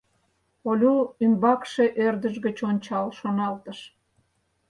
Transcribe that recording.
— Олю ӱмбакше ӧрдыж гыч ончал шоналтыш.